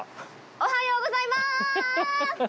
おはようございます！